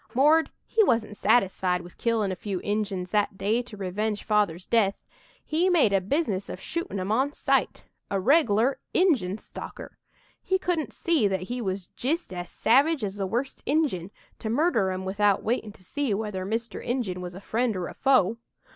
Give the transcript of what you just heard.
'Mord' he wasn't satisfied with killin' a few Injuns that day to revenge Father's death. He made a business of shootin' 'em on sight a reg'lar Injun stalker! He couldn't see that he was jist as savage as the worst Injun, to murder 'em without waitin' to see whether Mr. Injun was a friend or a foe.